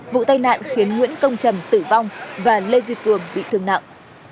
vụ tai nạn khiến nguyễn công trần tử vong và lê duy cường bị thương nặng